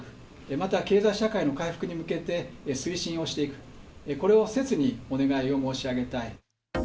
また、経済社会の回復に向けて、推進をしていく、これをせつにお願いを申し上げたい。